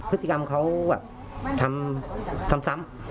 พฤติกรรมเขาแบบทำซ้ำ